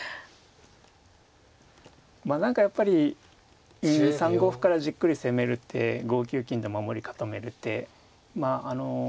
まあ何かやっぱり３五歩からじっくり攻める手５九金で守り固める手まあ